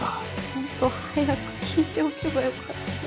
もっと早く聞いておけばよかったな。